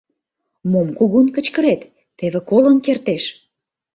Мом кугун кычкырет, теве колын кертеш.